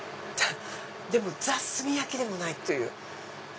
でもザ炭焼きでもないという。